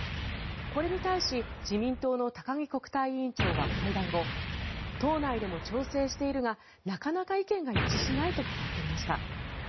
これに対し自民党の高木国対委員長は会談後党内でも調整しているがなかなか意見が一致しないと語っていました。